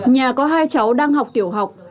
nhà có hai cháu đang học tiểu học